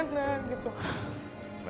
kamera gue mana